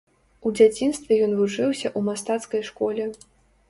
У дзяцінстве ён вучыўся ў мастацкай школе.